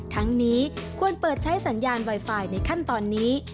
ทั้งนี้ควรเปิดใช้สัญญาณไวไฟในขั้นตอนนี้